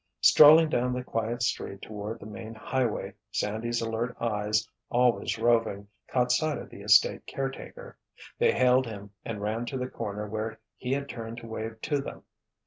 Strolling down the quiet street toward the main highway, Sandy's alert eyes, always roving, caught sight of the estate caretaker. They hailed him and ran to the corner where he had turned to wave to them.